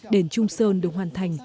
đền trung sơn được hoàn thành